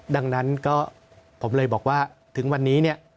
ดังนั้นก็ผมเลยบอกว่าถึงวันนี้เนี่ย